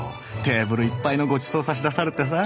テーブルいっぱいのごちそう差し出されてさ。